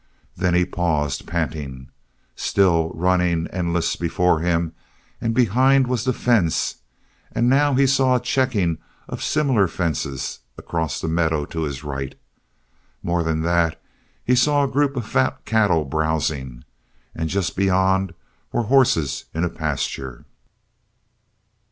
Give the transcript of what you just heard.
Then he paused, panting. Still running endless before him and behind was the fence and now he saw a checking of similar fences across the meadows to his right. More than that, he saw a group of fat cattle browzing, and just beyond were horses in a pasture.